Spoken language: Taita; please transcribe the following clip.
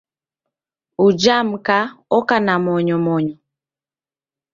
Uja mka oka na monyomonyo